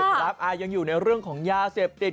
ครับยังอยู่ในเรื่องของยาเสพติด